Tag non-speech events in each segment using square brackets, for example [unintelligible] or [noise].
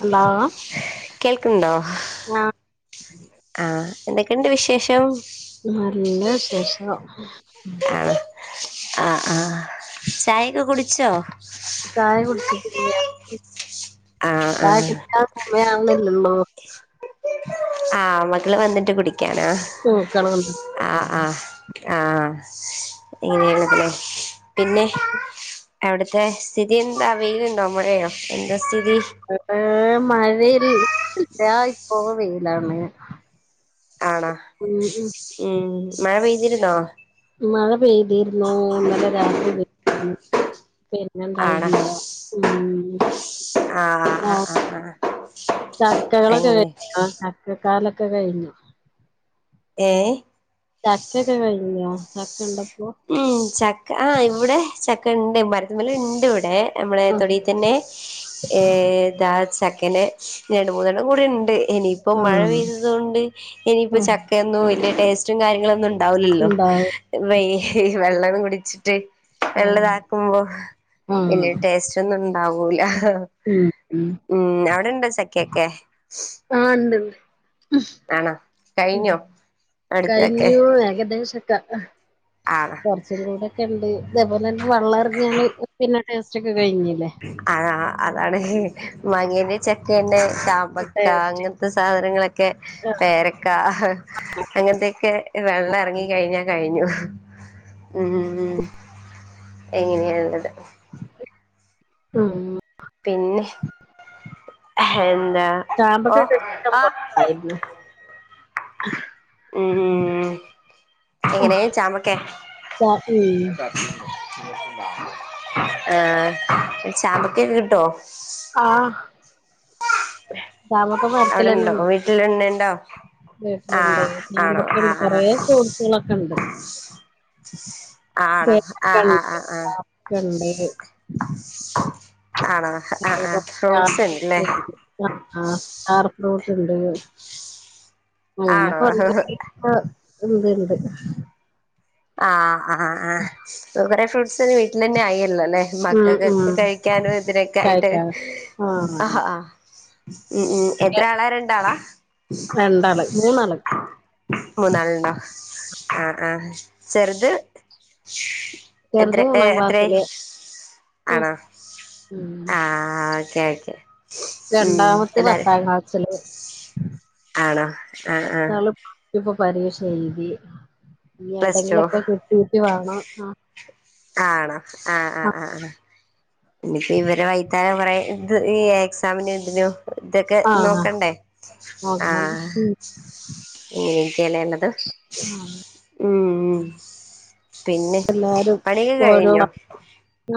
Hello കേൾക്കുന്നുണ്ടോ ആ ആ എന്തക്കെണ്ട് വിശേഷം നല്ല വിശേഷം ആ ആ ചായയൊക്കെ കുടിച്ചോ? ചായ കുട്ച്ചിട്ടില്ല്യാ ആഹ് ചായ ആഹ് കുട്ച്ചണം സമയാവുന്നല്ലൊള്ളൂ ആ മക്കള് വന്ന്ട്ട് കുടിയ്ക്കാനാ നോക്കണം ആ ആ ആ ഇങ്ങനെയുള്ളതിനേ പിന്നെ അവ്ടത്തെ സ്ഥിതി എന്താ വെയിലുണ്ടോ മഴയോ എന്താ സ്ഥിതി ഇവടേ മഴയില്ല ഇപ്പോ വെയിലാണ് ആണോ മ്മ് മ്മ് മ്മ് മഴ പെയ്തിരുന്നോ? മഴ പെയ്തിരുന്നു ഇന്നലെ രാത്രി പെയ്തിരുന്നു ആണോ പിന്നെണ്ടായില്ല മ്മ് ആഹ് ആഹ് ആഹ് ആഹ് അങ്ങനെ ചക്കകാലൊക്കെ കഴിഞ്ഞോ ഏഹ് ചക്കക്കെ കഴിഞ്ഞോ ചക്കണ്ടോ ഇപ്പൊ മ്മ് ചക്ക ആഹ് ഇവിടെ ചക്കണ്ട് മരത്തിമ്മലിണ്ട് ഇവടെ നമ്മളെ ആഹ് തൊടി തന്നെ ആഹ് ഏതാ ചക്കനെ രണ്ട് മൂന്നെണ്ണം കൂടി ഉണ്ട് എനി ഇപ്പൊ മഴ പെയ്തതോണ്ട് ഇനിയിപ്പോ ആഹ് ചക്കയൊന്നും വലിയ ടേസ്റ്റും കാര്യങ്ങളൊന്നുണ്ട ഉണ്ടാവുലല്ലോ ഇണ്ടാവും വെയ് വെള്ളം കുടിച്ചിട്ട് വെള്ളം ആഹ് ഇതാക്കുമ്പോ വല്യ ആഹ് ടേസ്റ്റൊന്നുണ്ടാവൂല ഉം ഉം മ്മ് അവിടെണ്ടോ ചക്കയൊക്കെ ആഹ് ഇണ്ട്ണ്ട് ആണോ കഴിഞ്ഞോ അടുത്തൊക്കെ കഴിഞ്ഞു ഏകദേശൊക്കെ ആഹ് കൊറച്ചും കൂടെക്കെണ്ട് ഇതേപോലെന്നെ വെള്ളറങ്ങിയാല് പിന്നെ ടേസ്റ്റൊക്കെ കഴിഞ്ഞില്ലേ ആഹ് അതാണ് മാങ്ങാന്റെയും ചക്കന്റെയും മ്പക്ക ടേസ്റ്റ് അങ്ങനത്തെ സാധനങ്ങളൊക്കെ ആ പേര രക്ക അങ്ങനത്തെക്കെ വെള്ളറങ്ങി കഴിഞ്ഞാ കഴിഞ്ഞു മ്മ് എങ്ങനെയുള്ളത് മ്മ് പിന്നെ എന്താ ചാമ്പക്കൊക്കെ ഓഹ് ഇഷ്ടം ആഹ് പോലെണ്ടായിരുന്നു മ്മ് എങ്ങനെ ചാമ്പക്കാ ഉം ആഹ് ചാമ്പക്കൊക്കെ കിട്ടോ ആഹ് ചാമ്പക്ക മരത്തിലന്നെ അവിടെണ്ടോ ഇണ്ട് വീട്ടിലന്നെ ഉണ്ടോ ആ വീട്ടിലുണ്ട് ആണോ ചാമ്പൊക്കെ ആ ഉണ്ട് ആ കുറേ ഫ്രൂട്സുകളൊക്കെ ഉണ്ട് ആണോ ആഹ് ആഹ് ആഹ് ആഹ് ചാമ്പക്ക ആണോ ആഹ് ആഹ് ഫ്രൂട്ട്സ് ഉണ്ടല്ലേ ഇണ്ട് ആ സ്റ്റാർ ഫ്രൂട്ട് ഉണ്ട് അങ്ങനെ കുറെ ആണോ ആഹ് ഉണ്ട് ഉണ്ട് ആഹ് ആഹ് ആഹ് കുറെ ഫ്രൂട്ട്സ്ന് വീട്ടിൽ തന്നെ ആയില്ലോ അല്ലെ ഉം മക്കൾക്കൊക്കെ ഉം കഴിക്കാനും ഇതിനൊക്കെ ആയിട്ട് കഴിക്കാതെ ആഹ് ആഹ് മ്മ് മ്മ് എത്ര ആളാ രണ്ടാളാ രണ്ടാള് മൂന്നാള് മൂന്നാളുണ്ടോ ആഹ് ആഹ് ചെറുത് എത്ര ചെറുത് ഏ മൂന്നാം എത്രയായി ക്ലാസ്സില് ഉം ആണോ ഉം ആഹ് ഓക്കെ ഓക്കെ ഉം രണ്ടാമത്തെ എല്ലാരും പത്താം ക്ലാസില് ആണോ ആഹ് ആഹ് പ്പ ഇപ്പോ പരീക്ഷ എഴുതി ഞ്ഞി പ്ലസ് ടു എവിടെങ്കിലൊക്കെ കിട്ടീട്ട് വേണം ആഹ് ആണോ ആഹ് ആഹ് ആഹ് ആഹ് ഇനിയിപ്പ ഇവര് [unintelligible] കൊറെ ഇത് ഈ എക്സാമിനോ ഇതിനും ഇതൊക്കെ ആഹ് ആഹ് നോക്കണ്ടേ നോക്കണം ആഹ് ഉം ഇങ്ങനെക്കലള്ളത് ഉം ഉം പിന്നെ എല്ലാരും ഓരോ കഴിഞ്ഞോ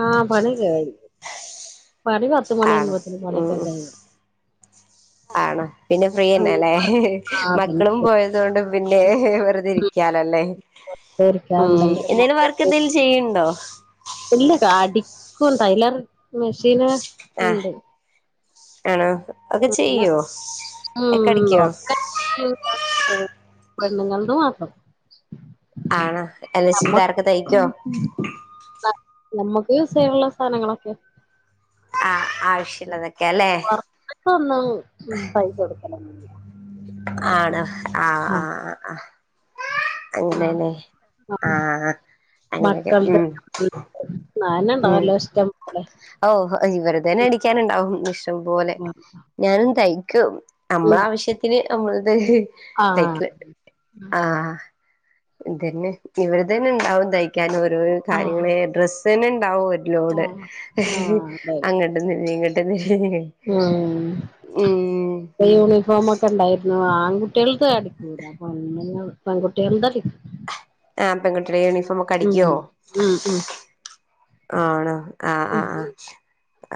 ആഹ് പണിക്കെ കഴിഞ്ഞ് പണി പത്ത് ആണോ മണിയുമ്പോത്തന് ഉം പണിക്ക ഉം കയ്യും ആണോ പിന്നെ ഫ്രീയന്നെ അല്ലേ ആഹ് പിന്നെ മക്കളും പോയത് അതുകൊണ്ട് പിന്നെ വെറുതെ ഇരിക്കാലോല്ലേ വെറുതെ ഇരിക്കാ ഉം എന്തെങ്കിലും എന്തേലും വർ ഈയ് ന്തേലും ചെയ്യണ്ടോ ഇല്ല അടിക്കും ടൈലർ മെഷീനാ ആഹ് ണ്ട് ആണോ [unintelligible] [unintelligible] ഒക്കെ ഉം അടിക്കോ ഒക്കെ ചെയ്യൂല്ല ആഹ് പെണ്ണ്ങ്ങൾത് മാത്രം ആണ അല്ലചുരിദാറൊക്കെ തയ്ക്കോ ആഹ് നമ്മക്ക് യൂസ് ചെയ്യാനുള്ള സാനങ്ങളൊക്കെ ആഹ് ആവശ്യള്ളതൊക്കല്ലേ [unintelligible] ഉം പൈസ കൊടുക്കല ആണോ ആഹ് ആഹ് ആഹ് ആഹ് ആഹ് അങ്ങനെലെ ആഹ് ആഹ് ആഹ് അങ്ങനെക്കെ മക്കൾത് ഉം നാന ഉം ഉണ്ടാവല്ലോ ഇഷ്ടം പോലെ ഓഹ് ഇവരെ തന്നെ അടിക്കാനുണ്ടാവും ഇഷ്ടം പോലെ ഞാനും തയ്ക്കും ഉം നമ്മളാവശ്യത്തിന് നമ്മളത് ആഹ് തൈക്കണുണ്ട് ആഹ് ഇത്ന്നെ ഇവർ തന്നെ ഉണ്ടാവും തയ്ക്കാനും ഓരോരോ ആഹ് കാര്യങ്ങള് ഡ്രസ്സ് തന്നെ ഉണ്ടാവും ലോഡ് ആഹ് ആഹ് അതെല്ലേ അങ്ങോട്ട്ന്നില്ല ഇങ്ങോട്ട്ന്ന് ഉം [unintelligible] യൂണിഫോമൊക്കെ ഉണ്ടായിരുന്നു ആൺകുട്ടികൾത് അടിക്കൂല പെണ്ണുങ്ങൾ പെൺകുട്ടികൾടെ [unintelligible] ആഹ് പെൺകുട്ടിടെ യൂണിഫോമൊക്കെ ഉം അടിക്കുവോ ഉം ഉം ആണോ ആഹ് ആഹ് ഉം ആഹ്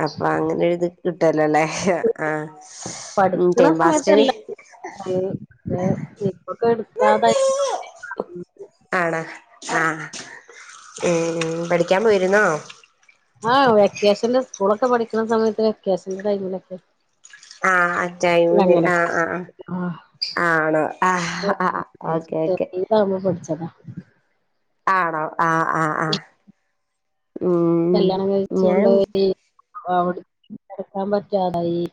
അപ്പൊ അങ്ങനെ എഴുതി കിട്ടുവല്ലോ അല്ലേ ആഹ് ഉം പഠിക്കണ ടൈം പാസ്റ്റിന് സമയത്തെല്ല [unintelligible] ഇപ്പൊക്കെ എടുക്കാതായി ആണോ ആഹ് ഉം പഠിക്കാൻ പോയിരുന്നോ ആഹ് വെക്കേഷന്റെ സ്കൂളൊക്കെ പഠിക്കുന്ന സമയത്ത് വെക്കേഷന്റെ ടൈമിലൊക്കെ ആഹ് ആഹ് ടൈമില് അങ്ങനെ ആഹ് ആഹ് ആ ആണോ ആഹ് ഓക്കെ ഓക്കെ [unintelligible] പഠിച്ചതാ ആണോ ആഹ് ആഹ് ആഹ് ഉം കല്യാണം കയിച്ച് ഞാനും കൊണ്ടോയി അവ്ട്ന്ന് പഠിക്കാൻ പറ്റാതായി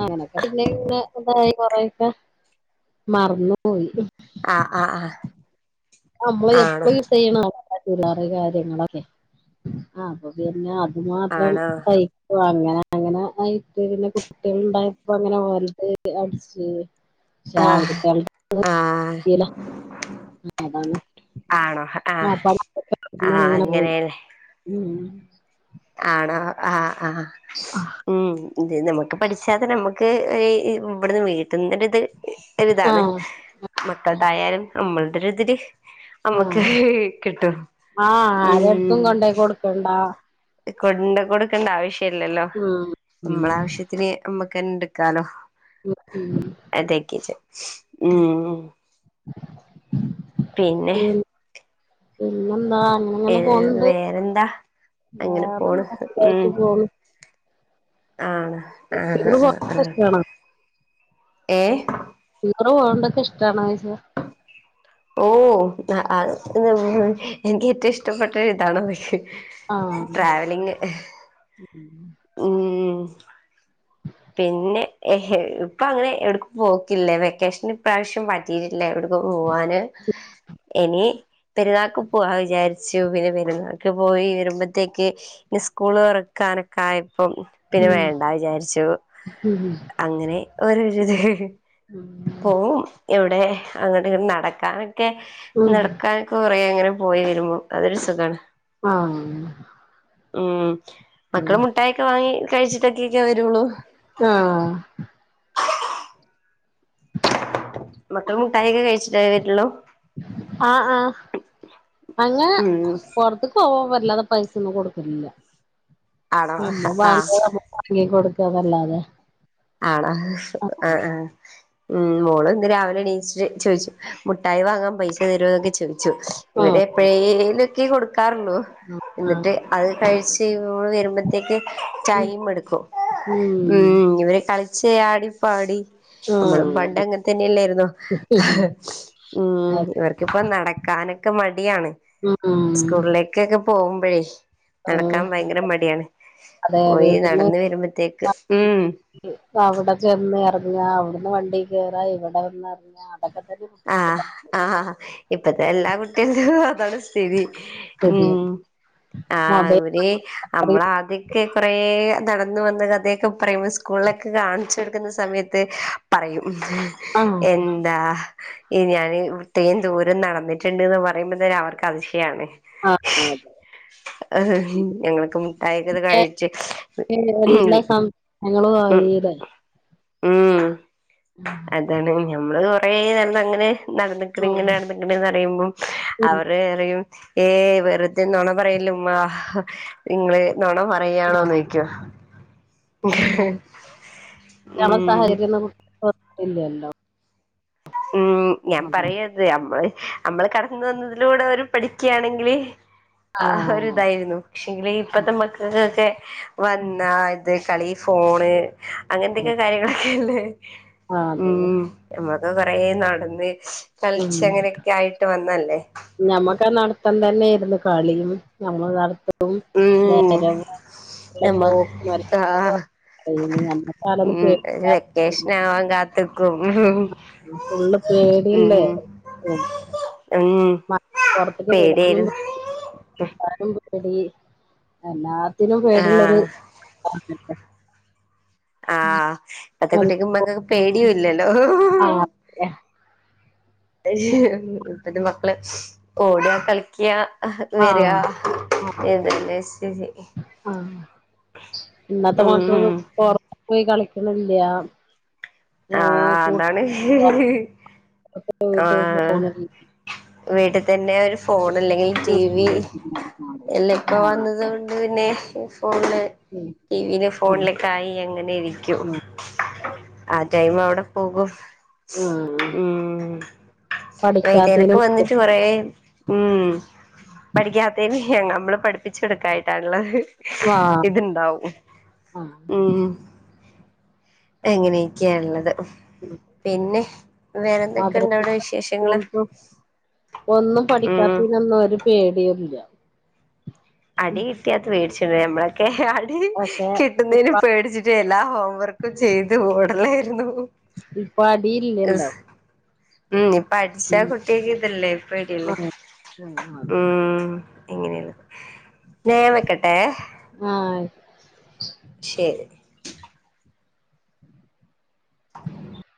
അങ്ങനൊക്കെ പിന്നെങ്ങനെ എന്തായി കൊറെയൊക്കെ മറന്ന് പോയി ആഹ് ആഹ് അമ്മള് എപ്പ ആണോ യൂസെയ്യ്ണ [unintelligible] ചെല കാര്യങ്ങളൊക്കെ ആഹ് അപ്പ പിന്നെ അത് മാത്രം ആണോ തൈ ഓഹ് അങ്ങനെ അങ്ങനെ ആയിട്ട് പിന്നെ കുട്ടികളുണ്ടായപ്പങ്ങനെ ഓൽത് അട്ച്ച് പക്ഷേ ആഹ് ആൺകുട്ട്യൾത് ആഹ് പറ്റീല അതാണ് ആണോ ആഹ് ആഹ് അപ്പ [unintelligible] ന്നങ്ങനെ പോയി അങ്ങനെയല്ലേ ഉം ഉം ആണോ ആഹ് ആഹ് ഉം ഇത് നമക്ക് പഠിച്ചാത് നമക്ക് ഒര് ഇവ്ട്ന്ന് വീട്ട്ന്നൊര്ത് ഒര്താണ് ആഹ് മക്കൾതായാലും നമ്മൾതൊര്തിര് അമ്മക്ക് ആഹ് കിട്ടും ഉം കണ്ടാ കൊണ്ട് കൊട്ക്കണ്ട ആവശ്യല്ലല്ലോ ഉം ഉം നമ്മളാവശ്യത്തിന് നമ്മക്കെന്നെട്ക്കാലോ ഉം ഉം അതേ കിച്ച് ഉം പിന്നെ പി പിന്നെന്താ അങ്ങനെ ഏഹ് വേറെന്താ അങ്ങനെ പോണ് വേറെന്താ സുഖായിട്ട് ഉം പോണ് ആണ് ആഹ് ടൂറ് ആഹ് അഹ് പോണതൊക്കെ അഹ് ഇഷ്ടാണോ ഏഹ് ടീച്ചറ് വേണ്ടൊക്കെഷ്ടാണോയ്ച്ച ഓഹ് അ അത് എനിക്കേറ്റവും ഇഷ്ടപ്പെട്ടത് ഇതാണ് പക്ഷെ ആഹ് ഉം ഉം പിന്നെ ഇപ്പങ്ങനെ എവ്ട്ക്കും പോക്കില്ല വെക്കേഷന് ഇപ്പ്രാവശ്യം പറ്റീട്ടില്ല എവ്ട്ക്കും പോവാന് എനി പെര്ന്നാക്ക് പോവാ വിചാര്ച്ചു പിന്നെ പെര്ന്നാക്ക് പോയി വരുമ്പത്തേക്ക് പിന്നെ സ്കൂള് തൊറക്കാനൊക്കായപ്പം പിന്നെ വേണ്ട വിചാര്ച്ചു ഉം അങ്ങനെ ഓരോരത് ഉം പോവും എവ്ടെ അങ്ങണ്ട്ങ്ങനെ നടക്കാനൊക്കെ ഉം നട്ക്കാൻ കൊറേ അങ്ങനെ പോയി വരുമ്പൊ അതൊര് സുഖാണ് ആഹ് ഉം ഉം മക്കള് മുട്ടായൊക്കെ വാങ്ങി കഴിച്ചിട്ടൊക്കൊക്കെ വരൊള്ളൂ ആഹ് മക്കള് മുട്ടായൊക്കെ കയിച്ചിട്ടേ വരൊള്ളൂ ആഹ് ആഹ് അങ്ങനെ പൊർത്ത്ക്കോവാൻ വല്ലാതെ പൈസൊന്നും കൊട്ക്കലില്ല ആണോ ആഹ് നമ്മ വാങ്ങിയേത് നമ്മ വാങ്ങി കൊട്ക്കാന്നല്ലാതെ ആണ ആഹ് ആഹ് ഉം മോള് ഇന്ന് രാവിലെ എണീച്ചിട്ട് ചോയ്ച്ച് മുഠായി വാങ്ങാൻ പൈസ തരോന്നൊക്കെ ചോയ് ച്ചു ആഹ് ഇവര് ആഹ് എപ്പോഴേലൊക്കെ കൊട്ക്കാറുള്ളൂ എന്നിട്ട് അത് കഴിച്ച് ഇവള് വരുമ്പത്തേക്ക് ഉം ടൈമെട്ക്കും ഉം ഇവര് കളിച്ച് ആടിപ്പാടി നമ്മളും ആഹ് പണ്ടങ്ങൻ തന്നല്ലേര്ന്നോ ഉം ഇവർക്കിപ്പം നടക്കാനൊക്കെ മടിയാണ് ഉം സ്കൂളിലേക്കൊക്കെ പോകുമ്പഴേ ആഹ് നടക്കാൻ ഭയ്ങ്കര മടിയാണ് അതെ പോയി നടന്ന് വരുമ്പത്തേക്ക് ഉം അവടെ ചെന്നെർങ്ങ അവ്ട്ന്ന് വണ്ടി കേറാ ഇവടെ വന്നെർങ്ങ ആഹ് അതൊക്കെ തന്നെ കുട്ടികൾക്ക്പ്പ ആഹ ഇപ്പത്തെ എല്ലാ കുട്ടികളും അതാണ് സ്ഥിതി ഉം സ്ഥിതിയാണ് ആഹ് മൊബൈൽ ഇവിടേം അത്രയും നമ്മളാതി ഒക്കെ കൊറെ നടന്ന് വന്ന കഥയൊക്കെ പറയുമ്പോ സ്കൂളിലൊക്കെ കാണിച്ചു കൊടുക്കുന്ന സമയത്ത് പറയും ആഹ് എന്താ ഈ ഞാൻ ഇത്രയും ദൂരം നടന്നിട്ടുണ്ട്ന്ന് പറയുമ്പോ തന്നേ അവർക്ക് അതിശയാണ് ആഹ ആഹ ഞങ്ങളൊക്ക മുഠായികൾ അതെ കഴിച്ച് ഞങ്ങള് വാ ഉം [unintelligible] ലെ ഉം അതാണ് ഞമ്മള് കൊറെ നടന്നങ്ങനെ ഉം നടന്നക്കണങ്ങനെ നടന്നക്കണന്ന് പറയുമ്പം ഉം അവര് റെയും ഏയ് വെറുതെന്നോണ പറയല്ലേ ഉമ്മാ നിങ്ങള് നൊണ ആഹ് പറയാണോനൊയികും [unintelligible] ആഹ് ഞാൻ അതാ പറയാത് മ്മള് നമ്മള് കടന്ന വന്നതിലൂടെ ഓര് പഠിക്കയാണെങ്കില് ആഹ ആഹ് ഒരു അതെ ഇതായിരുന്നു പക്ഷെങ്കില് ഇപ്പഴത്തെ മക്കൾക്കൊക്കെ വന്നാ ഇത് കളി ഫോണ് ആഹ് അങ്ങനത്തെക്കെ കാര്യങ്ങളൊക്കല്ലേ അതെ ആഹ് അപ്പൊ കൊറെ നടന്ന് കളിച്ച് അങ്ങനെയൊക്കെ ആയിട്ട് വന്നല്ലേ ഞമ്മക്ക് ആഹ നടത്തം തന്നൊയിരുന്നു കളിയും ഞമ്മൾ നടത്തവും ഉം നേരവും [unintelligible] നമ്മ പോക്കും വരവും ആഹ് ഉം [unintelligible] ഒരു വെക്കേഷൻ ആവാൻ കാത്ക്കും ഉം ഫുള്ള് പേടില്ലേ ഉം മ പൊറത്ക്ക് വിടാനും പേടിയായിരുന്നു പേടി [unintelligible] പേടി എല്ലാത്തിനും പേടിള്ളൊരു ആഹ് [unintelligible] ആഹ് ഇപത്തെ ആഹ് കുട്ടിക്ക് മക്കൊക്കെ പേടിയുംല്ലല്ലോ ആഹ ഇപ്പത്തെ മക്കള് ഓടാ കളിക്കാ ആഹ് വരാ ഏതാല്ലാ ശരി ആഹ ഇന്നത്തെ ഉം മക്കള്പൊറത് പോയി കളിക്കണില്ല ഏഹ് ആഹ അതാണ് [unintelligible] ആഹ് ഫോൺ ടിവി വീട്ടിൽ തന്നെ ഒരു ഫോൺ അല്ലെങ്കിൽ ടി വി ഇല്ലെപ്പോ ആഹ് അതെ വന്നതൊണ്ട് അഹ പിന്നെ ഫോണ് ടിവി ഉം ഫോണിലൊക്കെ ആയി അങ്ങനെ ഇരിക്കും ആഹ് ആഹ ടൈം എവിടെ പോകും ആഹ് ആഹ് ആഹ് വൈദ്യേരൊക്കെ പഠിക്കാത്തേനും വന്നിട്ട് കൊറെ ആഹ് പഠിക്കാത്തന് നമ്മള് പഠിപ്പിച്ചെടുക്കായിട്ടാള്ളത് ആഹ് ഇത്ണ്ടാവും ആഹ് ഉം എങ്ങനെയും ക്കാ ള്ളത് പിന്നെ വേറെ എന്തൊക്കെയണ്ട് മദ്രസ അവിടെ വിശേഷങ്ങള് സ്കൂൾക്കും ഒന്നും ഉം പഠിക്കാത്തീനൊന്നും ഒരു പേടിയില്ല അടി കിട്ടിയാത് വേടിച്ചിണ്ട് മ്മളൊക്കെ അടി പക്ഷെ കിട്ടുന്നതിന് ഇപ്പ പേടിച്ചിട്ട് എല്ലാ ഹോം വർക്കും ചെയ്തു ഓടലായിരുന്നു പ്പടിയില്ലല്ലോ ആഹ് ഇപ്പ അടിച്ച കുട്ടിയക്ക് ഇതല്ലേ പേടിയല്ലേ ആഹ് ആഹ് അതെ ആഹ് എങ്ങനെയെന്നു ന്നാ ഞാവെക്കട്ടെ ആഹ ശരി [inaudible]